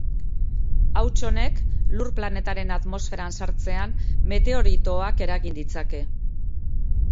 Hauts honek, Lur planetaren atmosferan sartzean, meteoritoak eragin ditzake.